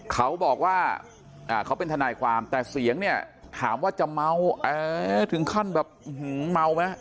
เขาบอกว่าเขาเป็นทนายความแต่เสียงเนี่ยถามว่าจะเมาถึงขั้นแบบเมาไหม